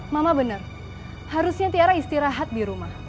mama benar harusnya tiara istirahat di rumah